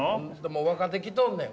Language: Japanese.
もう若手来とんねん。